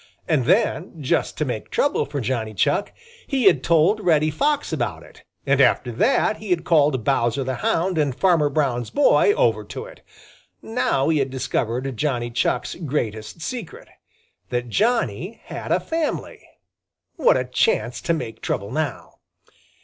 And then, just to make trouble for Johnny Chuck, he had told Reddy Fox about it, and after that he had called Bowser the Hound and Farmer Brown's boy over to it. Now he had discovered Johnny Chuck's greatest secret that Johnny had a family. What a chance to make trouble now!